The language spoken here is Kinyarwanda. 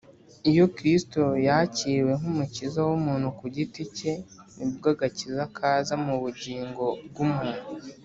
iyo kristo yakiriwe nk’umukiza w’umuntu ku giti cye, ni bwo agakiza kaza mu bugingo bw’umuntu